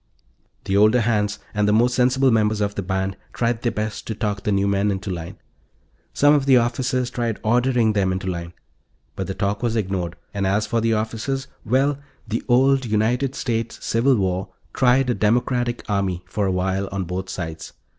The older hands, and the more sensible members of the band, tried their best to talk the new men into line. Some of the officers tried ordering them into line. But the talk was ignored. And as for the officers well, the old United States Civil War tried a democratic army for a while, on both sides.